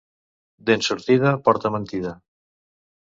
Dent sortida porta mentida.